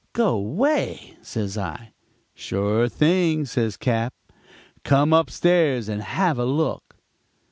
"'Go 'way!' says I. "'Sure thing,' says Cap. 'Come up stairs and have a look.'